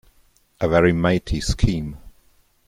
A very matey scheme.